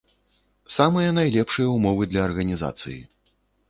Самыя найлепшыя ўмовы для арганізацыі.